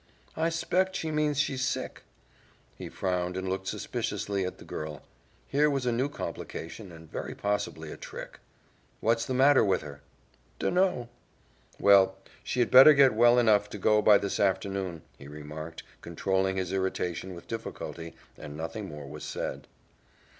"I 'spect she means she's sick." He frowned and looked suspiciously at the girl. Here was a new complication, and very possibly a trick. "What's the matter with her?" "Dunno." "Well, she had better get well enough to go by this afternoon," he remarked, controlling his irritation with difficulty, and nothing more was said.